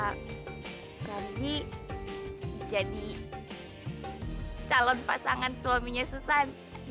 ramzi jadi calon pasangan suaminya susan